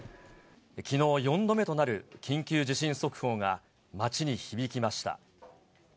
きのう４度目となる緊急地震速報が町に響きました。